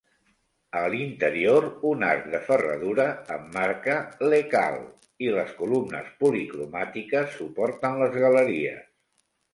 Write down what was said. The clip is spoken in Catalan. A l'interior, un arc de ferradura emmarca l'"hekhal" i les columnes policromàtiques suporten les galeries.